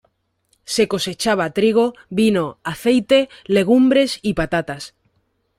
Se cosechaba trigo, vino, aceite, legumbres y patatas.